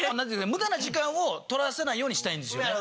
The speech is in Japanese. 無駄な時間を取らせないようにしたいんですよね。